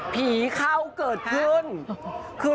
ผีเข้าเกิดขึ้น